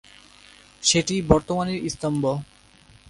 সেটিই বর্তমানের স্তম্ভ।